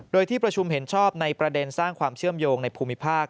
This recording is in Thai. โดยที่ประชุมเห็นชอบในประเด็นสร้างความเชื่อมโยงในภูมิภาค